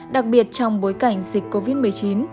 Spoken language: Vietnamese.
đặc biệt trong bối cảnh dịch covid một mươi chín